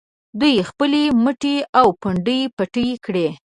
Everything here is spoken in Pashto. دوی خپلې مټې او پنډۍ پټې کړي.